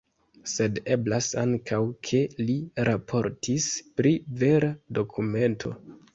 Sed eblas ankaŭ ke li raportis pri vera dokumento.